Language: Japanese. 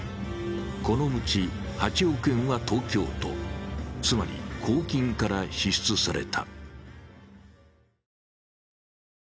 このうち８億円は東京都、つまり公金から支出された。